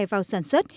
vào sản xuất